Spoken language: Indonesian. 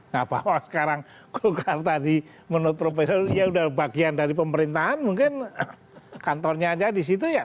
nah bahwa sekarang golkar tadi menurut profesor ya udah bagian dari pemerintahan mungkin kantornya aja di situ ya